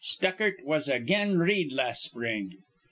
'Stuckart was again Reed las' spring.'